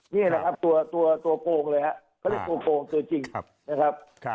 นี่แหละครับตัวโกงเลยครับเขาเรียกตัวโกงตัวจริงนะครับ